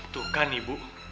tuh kan ibu